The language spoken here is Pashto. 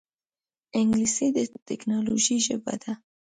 انګلیسي د ټکنالوجۍ ژبه ده